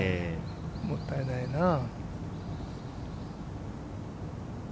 もったいないなぁ。